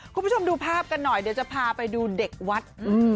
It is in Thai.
คุณผู้ชมดูภาพกันหน่อยเดี๋ยวจะพาไปดูเด็กวัด